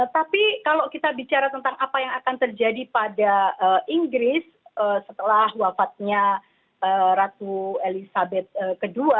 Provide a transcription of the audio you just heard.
tapi kalau kita bicara tentang apa yang akan terjadi pada inggris setelah wafatnya ratu elizabeth ii